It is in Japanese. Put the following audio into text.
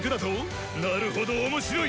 なるほど面白い！